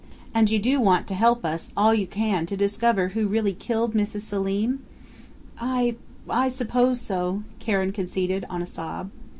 And you do want to help us all you can to discover who really killed Mrs. Selim?" "I I suppose so," Karen conceded, on a sob.